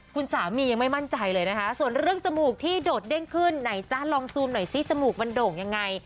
คุณสามียังไม่มั่นใจเลยนะคะส่วนเรื่องจมูกที่โดดเด้งขึ้นไหนจ๊ะลองซูมหน่อยซิจมูกมันโด่งยังไง